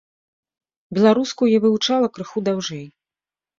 Беларускую я вывучала крыху даўжэй.